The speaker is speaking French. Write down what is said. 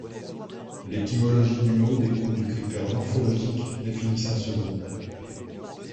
L'étymologie du mot découle du critère morphologique définissant ce groupe.